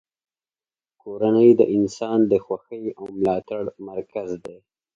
کورنۍ د انسان د خوښۍ او ملاتړ مرکز دی.